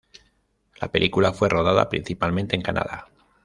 La película fue rodada principalmente en Canadá.